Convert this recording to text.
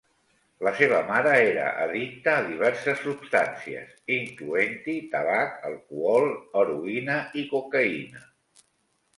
La seva mare era addicta a diverses substàncies, incloent-hi tabac, alcohol, heroïna i cocaïna.